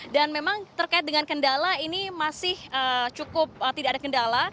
dan memang terkait dengan kendala ini masih cukup tidak ada kendala